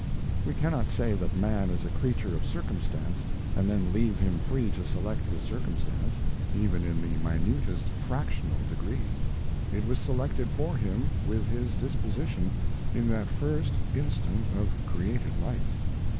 We cannot say that man is a creature of circumstance and then leave him free to select his circumstance, even in the minutest fractional degree. It was selected for him with his disposition; in that first instant of created life.